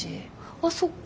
あっそっか。